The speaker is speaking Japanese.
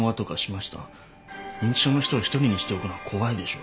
認知症の人を一人にしておくのは怖いでしょ。